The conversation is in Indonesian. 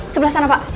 sebelah sana pak